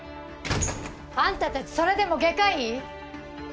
あんたたちそれでも外科医！？